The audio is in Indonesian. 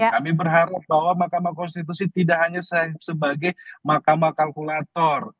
kami berharap bahwa mahkamah konstitusi tidak hanya sebagai mahkamah kalkulator